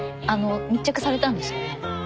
密着されたんですよね？